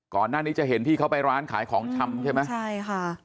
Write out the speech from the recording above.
ก่อนหน้านี้จะเห็นพี่เขาไปร้านขายของชำใช่ไหมใช่ค่ะ